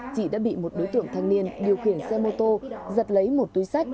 chị đã bị một đối tượng thanh niên điều khiển xe mô tô giật lấy một túi sách